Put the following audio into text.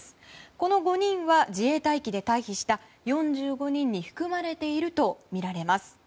この５人は自衛隊機で退避した４５人に含まれているとみられます。